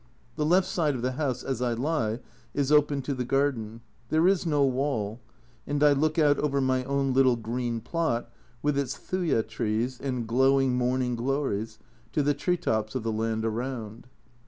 The left side of the house as I lie is open to the garden ; there is no wall, and I look out over my own little green plot, with its Thuya trees and glowing " morning glories," to the tree tops of the land around.